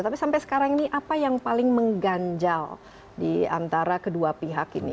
tapi sampai sekarang ini apa yang paling mengganjal di antara kedua pihak ini